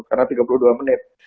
karena tiga puluh dua menit